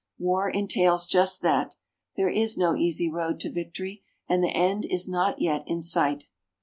War entails just that. There is no easy road to victory. And the end is not yet in sight.